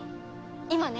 今ね